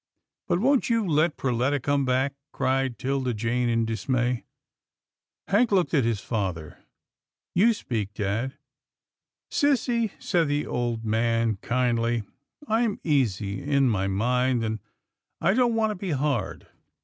" But won't you let Perletta come back ?" cried 'Tilda Jane in dismay. Hank looked at his father. " You speak, dad." " Sissy," said the old man kindly, " I'm easy in my mind, and I don't want to be hard.